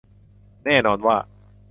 แน่นอนว่า